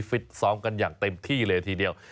ฟิตซ้อมกันอย่างเต็มที่เลยทีเดียว